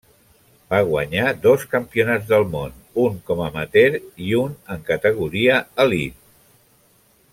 Va guanyar dos Campionats del món, un com amateur i un en categoria elit.